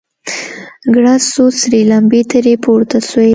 ګړز سو سرې لمبې ترې پورته سوې.